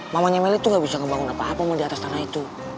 mamanya meli tuh ga bisa ngebangun apa apa di atas tanah itu